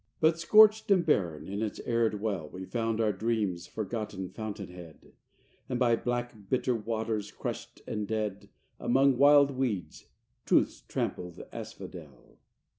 IV But, scorched and barren, in its arid well, We found our dreams' forgotten fountain head; And by black, bitter waters, crushed and dead, Among wild weeds, Truth's trampled asphodel.